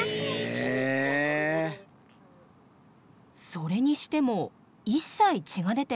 それにしても一切血が出ていません。